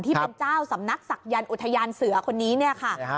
ที่เป็นเจ้าสำนักศักยันต์อุทยานเสือคนนี้เนี่ยค่ะ